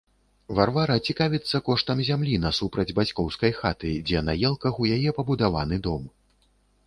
Варвара цікавіцца коштам зямлі насупраць бацькоўскай хаты, дзе на елках у яе пабудаваны дом.